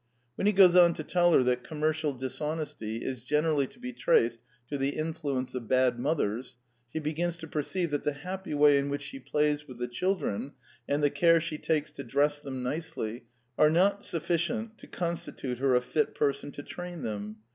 When he goes on to tell her that com mercial dishonesty is generally to be traced to the influence of bad mothers, she begins to perceive that the happy way in which she plays with the children, and the care she takes to dress them nicely, are not sufficient to constitute her a fit per son to train them.